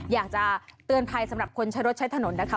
อยากจะเตือนภัยสำหรับคนใช้รถใช้ถนนนะคะ